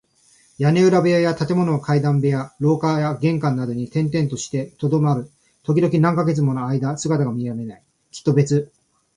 屋根裏部屋や建物の階段部や廊下や玄関などに転々としてとどまる。ときどき、何カ月ものあいだ姿が見られない。きっと別な家々へ移っていったためなのだ。